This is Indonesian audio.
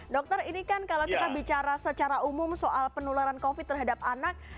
dokter ini kan kalau kita bicara secara umum soal penularan covid terhadap anak